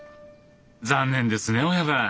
残念ですね親分。